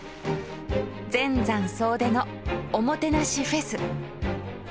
全山総出のおもてなしフェス！